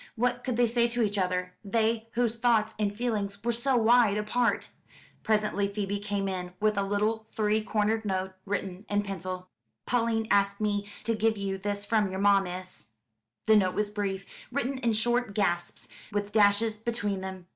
What could they say to each other they, whose thoughts and feelings were so wide apart? Presently Phoebe came in with a little three cornered note, written in pencil. "Pauline asked me to give you this from your ma, miss." The note was brief, written in short gasps, with dashes between them.